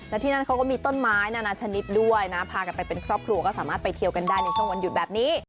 และที่นั่นเขาก็มีต้นไม้นานาชนิดด้วยนะพากันไปเป็นครอบครัวก็สามารถไปเที่ยวกันได้ในช่วงวันหยุดแบบนี้